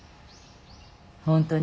本当に？